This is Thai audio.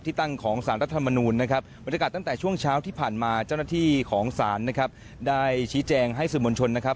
ที่ของศาลนะครับได้ชี้แจงให้สมชนนะครับ